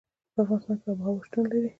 په افغانستان کې آب وهوا شتون لري.